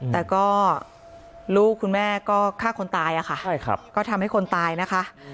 แต่ก็ลูกคุณแม่ก็ฆ่าคนตายอะค่ะก็ทำให้คนตายนะคะ